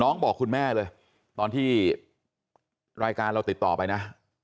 บอกคุณแม่เลยตอนที่รายการเราติดต่อไปนะ